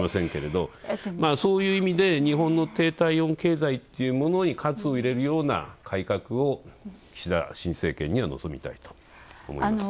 そういう意味で、日本の低体温経済というものに、喝を入れるような改革を岸田新政権には望みたいと思いますね。